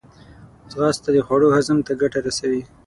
ځغاسته د خوړو هضم ته ګټه رسوي